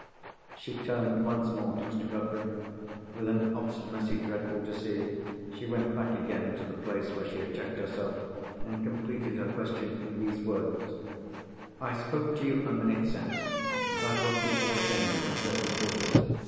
She turned once more to Mr. Godfrey. With an obstinacy dreadful to see, she went back again to the place where she had checked herself, and completed her question in these words: "I spoke to you, a minute since, about what people were saying in certain quarters.